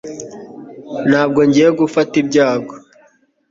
ntabwo ngiye gufata ibyago